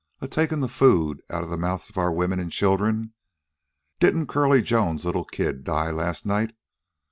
A takin' the food outa the mouths of our women an children. Didn't Curley Jones's little kid die last night?